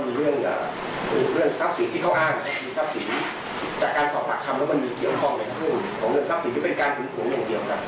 มีทรัพย์ศิลป์จากการสอบปรักษ์ทำแล้วมันมีเกี่ยวข้องไหนครับ